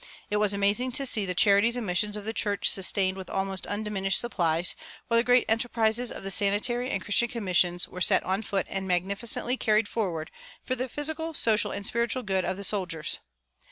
It was amazing to see the charities and missions of the churches sustained with almost undiminished supplies, while the great enterprises of the Sanitary and Christian Commissions were set on foot and magnificently carried forward, for the physical, social, and spiritual good of the soldiers.